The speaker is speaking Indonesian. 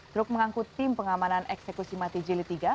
truk mengangkut tim pengamanan eksekusi mati jili tiga